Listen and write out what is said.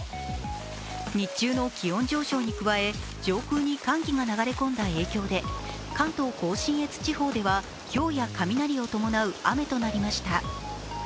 日中の気温上昇に加え、上空に寒気が流れ込んだ影響で関東甲信越地方では、ひょうや雷を伴う雨となりました。